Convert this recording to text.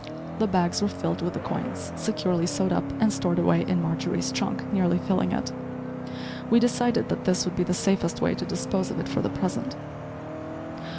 The bags were filled with the coins, securely sewed up and stored away in Marjorie's trunk, nearly filling it. We decided that this would be the safest way to dispose of it for the present.